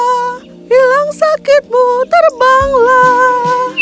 hilang sakitmu terbanglah